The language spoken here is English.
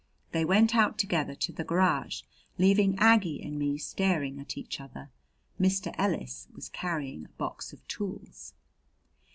They went out together to the garage, leaving Aggie and me staring at each other. Mr. Ellis was carrying a box of tools.